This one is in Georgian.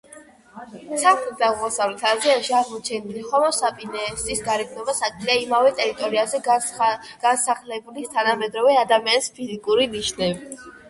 სამხრეთ-აღმოსავლეთ აზიაში აღმოჩენილი ჰომო საპიენსის გარეგნობას აკლია იმავე ტერიტორიაზე განსახლებული თანამედროვე ადამიანის ფიზიკური ნიშნები.